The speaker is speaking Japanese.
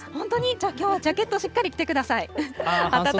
じゃあ、きょうジャケットしっかり着てください。